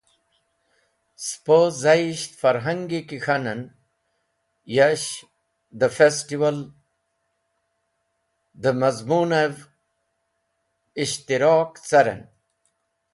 Spo zayish, farhangi ki k̃hanen, ya’sh dẽ festival, dẽ mazmunev ishtirok caren.